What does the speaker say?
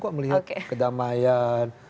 kok melihat kedamaian